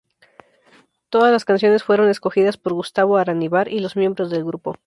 Todas las canciones fueron escogidas por Gustavo Araníbar y los miembros del grupo.